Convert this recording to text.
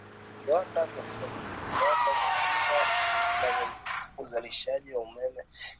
viwanda vya saruji viwanda vya chuma na vya uzalishaji wa umeme